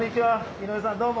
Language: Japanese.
井上さんどうも。